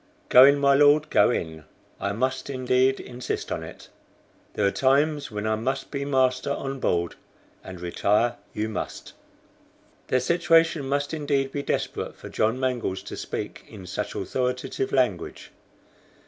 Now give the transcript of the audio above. "Go in, my Lord, go in. I must indeed insist on it. There are times when I must be master on board, and retire you must." Their situation must indeed be desperate for John Mangles to speak in such authoritative language.